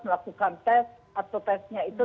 melakukan tes atau testnya itu